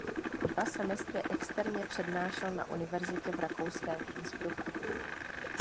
Dva semestry externě přednášel na univerzitě v rakouském Innsbrucku.